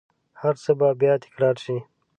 هرڅه به بیا تکرارشي